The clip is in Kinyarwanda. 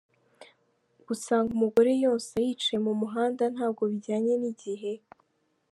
Gusanga umugore yonsa yicaye mu muhanda ntabwo bijyanye n’igihe.